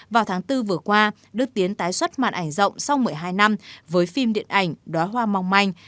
vào tháng bốn vừa qua đức tiến tái xuất màn ảnh rộng sau một mươi hai năm với phim điện ảnh đó hoa mong manh